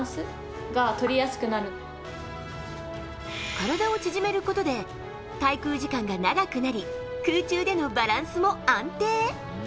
体を縮めることで滞空時間が長くなり空中でのバランスも安定。